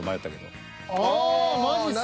ああマジっすか。